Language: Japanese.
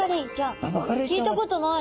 聞いたことない。